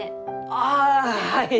ああはい！